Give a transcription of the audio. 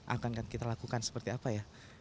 akan kita lakukan seperti apa ya